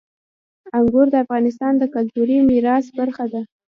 انګور د افغانستان د کلتوري میراث برخه ده.